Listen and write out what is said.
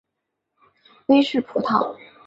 威氏葡萄